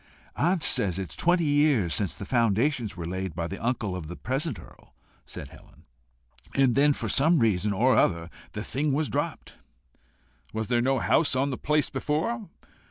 "Aunt says it is twenty years since the foundations were laid by the uncle of the present earl," said Helen; "and then for some reason or other the thing was dropped." "Was there no house on the place before?"